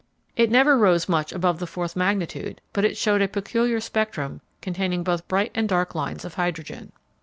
It never rose much above the fourth magnitude, but it showed a peculiar spectrum containing both bright and dark lines of hydrogen.